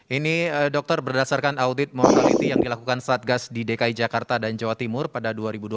ini dokter berdasarkan audit mortality yang dilakukan satgas di dki jakarta dan jawa timur pada dua ribu dua puluh